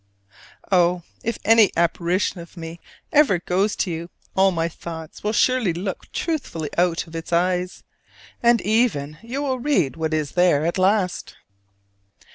Oh, if any apparition of me ever goes to you, all my thoughts will surely look truthfully out of its eyes; and even you will read what is there at last!